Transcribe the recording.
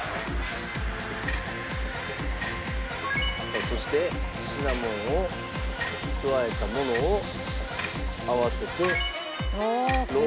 さあそしてシナモンを加えたものを合わせて。